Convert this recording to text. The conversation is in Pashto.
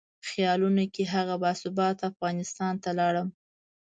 خیالونو کې هغه باثباته افغانستان ته لاړم.